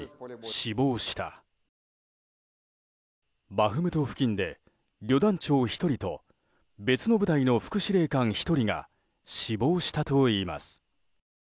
バフムト付近で旅団長１人と別の部隊の副司令官１人が死亡したといいます。